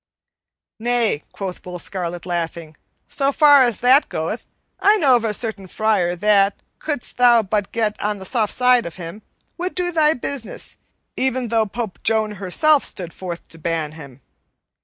"Nay," quoth Will Scarlet, laughing, "so far as that goeth, I know of a certain friar that, couldst thou but get on the soft side of him, would do thy business even though Pope Joan herself stood forth to ban him.